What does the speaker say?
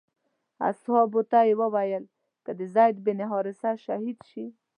اصحابو ته یې وویل که زید بن حارثه شهید شي.